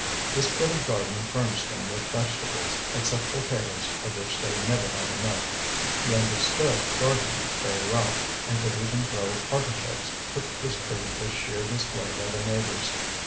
This bit of garden furnished them with vegetables, except potatoes of which they never had enough. He understood gardening very well, and could even grow artichokes, which was treated as sheer display by the neighbours.